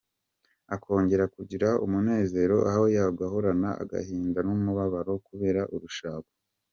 Akongera kugira umunezero aho guhorana agahinda n’umubabaro kubera urushako.